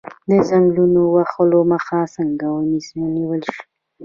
د ځنګلونو د وهلو مخه څنګه ونیول شي؟